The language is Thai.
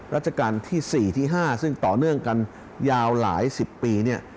ราชการที่๔ที่๕ซึ่งต่อเนื่องกันยาวหลายสิบปีเนี่ย